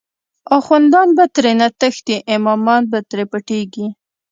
آخوندان به ترینه تښتی، امامان به تری پټیږی